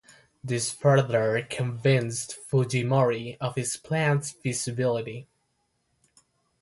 This further convinced Fujimori of his plan's feasibility.